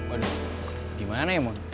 aduh gimana ya mon